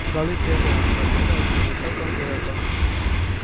Զգալի տեղ է հատկացրել հայ սովետական գրականությանը։